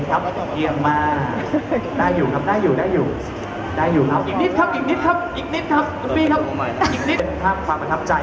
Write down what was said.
ก็อยากให้พวกคุ้มีความรักความขอบคุณครับที่เข้าตัว